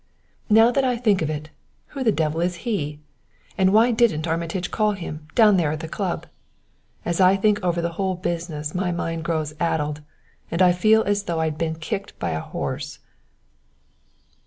Now that I think of it, who in the devil is he! And why didn't Armitage call him down there at the club? As I think over the whole business my mind grows addled, and I feel as though I had been kicked by a horse."